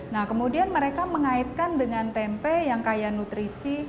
nah kemudian mereka mengaitkan dengan tempe yang kaya nutrisi